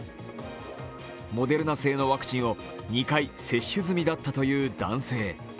モデルナ製ワクチンを２回接種済みだったという男性。